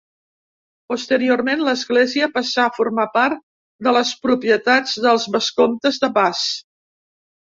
Posteriorment l'església passà a formar part de les propietats dels vescomtes de Bas.